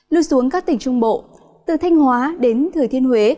lưu xuống các tỉnh trung bộ từ thanh hóa đến thời thiên huế